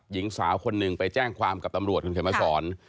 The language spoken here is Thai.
หญิงสาวคนหนึ่งไปแจ้งความกับตำรวจคุณเขียนมาสอน